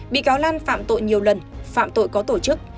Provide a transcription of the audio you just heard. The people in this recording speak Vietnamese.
bị cáo lan phạm tội nhiều lần phạm tội có tổ chức